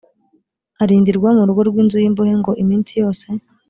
arindirwa mu rugo rw inzu y imbohe ngo iminsi yose